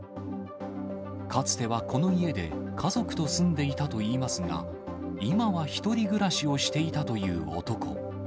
かつてはこの家で、家族と住んでいたといいますが、今は１人暮らしをしていたという男。